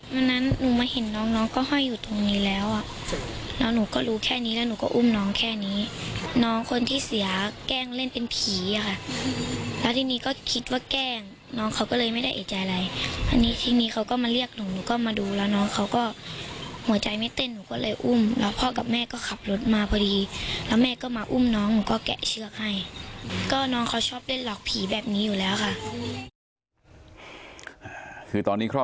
วันนั้นหนูมาเห็นน้องน้องก็ห้อยอยู่ตรงนี้แล้วอ่ะแล้วหนูก็รู้แค่นี้แล้วหนูก็อุ้มน้องแค่นี้น้องคนที่เสียแกล้งเล่นเป็นผีอ่ะค่ะแล้วที่นี่ก็คิดว่าแกล้งน้องเขาก็เลยไม่ได้เอ่ยใจอะไรอันนี้ที่นี่เขาก็มาเรียกหนูหนูก็มาดูแล้วน้องเขาก็หัวใจไม่เต้นหนูก็เลยอุ้มแล้วพ่อกับแม่ก็ขับรถมาพอดีแล้วแม่ก็มาอุ้